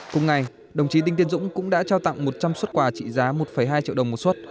cùng ngày đồng chí đinh tiên dũng cũng đã trao tặng một trăm linh xuất quà trị giá một hai triệu đồng một xuất